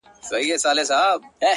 سیاه پوسي ده ـ خُم چپه پروت دی ـ